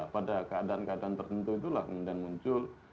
pada keadaan keadaan tertentu itulah kemudian muncul